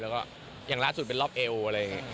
แล้วก็อย่างล่าสุดเป็นรอบเอวอะไรอย่างนี้